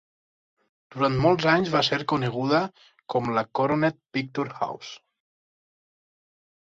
Durant molts anys va ser coneguda com la Coronet Picture House.